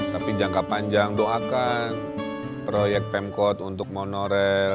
tapi jangka panjang doakan proyek pemkot untuk monorail